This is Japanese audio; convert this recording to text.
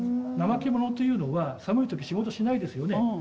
怠け者というのは寒いとき仕事しないですよね。